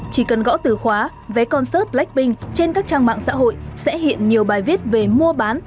chỉ cần gõ từ khóa vé concep blackpink trên các trang mạng xã hội sẽ hiện nhiều bài viết về mua bán